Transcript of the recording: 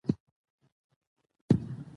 افغانستان له اوږده غرونه ډک دی.